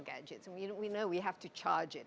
dan kita tahu kita harus mengisipnya